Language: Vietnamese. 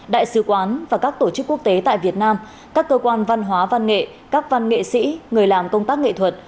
đại sứ quán và các tổ chức quốc tế tại việt nam các cơ quan văn hóa văn nghệ các văn nghệ sĩ người làm công tác nghệ thuật